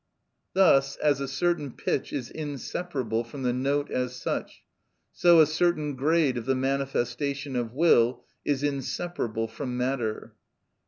Thus, as a certain pitch is inseparable from the note as such, so a certain grade of the manifestation of will is inseparable from matter.